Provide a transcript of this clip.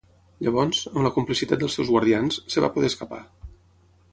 Llavors, amb la complicitat dels seus guardians, es va poder escapar.